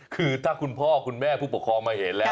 คือถ้าคุณพ่อคุณแม่ผู้ปกครองมาเห็นแล้ว